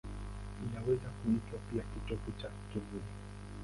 Inaweza kuitwa pia kitovu cha kivuli.